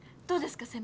どうですか？